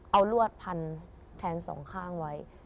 เอารวดพันแทนสองข้างไว้